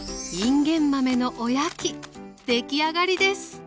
出来上がりです。